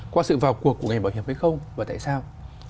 qua sự vào cuộc của ngành bảo hiểm hay không và tại sao